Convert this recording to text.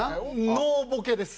ノーボケです。